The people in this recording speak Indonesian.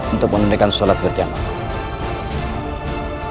untuk menundaikan sholat berjamaah